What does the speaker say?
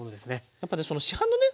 やっぱね市販のね